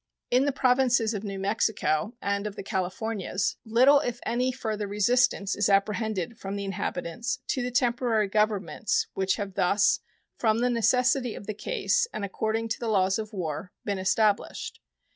In the Provinces of New Mexico and of the Californias little, if any, further resistance is apprehended from the inhabitants to the temporary governments which have thus, from the necessity of the case and according to the laws of war, been established.